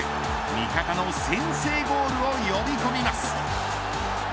味方の先制ゴールを呼び込みます。